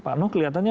pak nuh kelihatannya